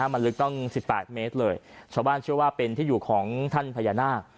มันลึกต้อง๑๘เมตรเลยชาวบ้านเชื่อว่าเป็นที่อยู่ของท่านพญานาค